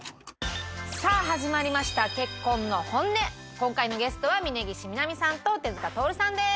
今回のゲストは峯岸みなみさんと手塚とおるさんです。